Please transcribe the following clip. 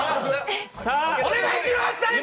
お願いします、誰か！